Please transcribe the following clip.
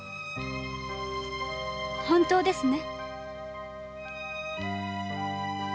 本当ですね？